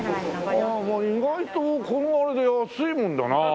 まあ意外とこのあれで安いもんだなあ。